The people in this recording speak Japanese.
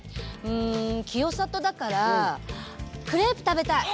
うん清里だからクレープ食べたい。